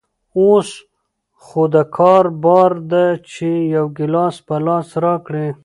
اوس خو دکار بار ده چې يو ګيلاس په لاس راکړي.